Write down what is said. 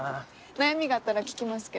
悩みがあったら聞きますけど。